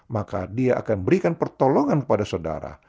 maka dia akan memberikan pertolongan kepada saudara